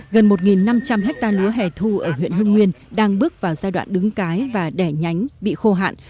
gần một năm trăm linh hectare lúa hẻ thu ở huyện hưng nguyên đang bước vào giai đoạn đứng cái và đẻ nhánh bị khô hạn